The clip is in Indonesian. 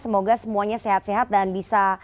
semoga semuanya sehat sehat dan bisa